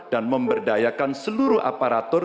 dan memberdayakan seluruh aparatur